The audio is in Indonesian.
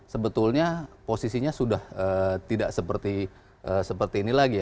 sebetulnya posisinya sudah tidak seperti ini lagi ya